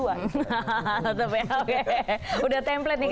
udah template nih template